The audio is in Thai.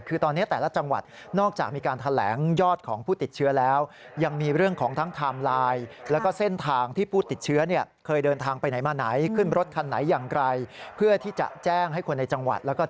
คือตอนนี้แต่ละจังหวัดนอกจากมีการแถลงยอดของผู้ติดเชื้อแล้ว